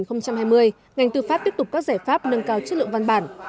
năm hai nghìn hai mươi ngành tư pháp tiếp tục các giải pháp nâng cao chất lượng văn bản